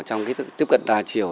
trong cái tiếp cận đa chiều